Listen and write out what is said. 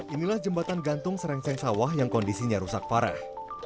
inilah jembatan gantung serengseng sawah yang kondisinya rusak parah